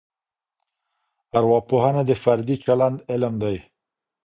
ارواپوهنه د فردي چلند علم دی.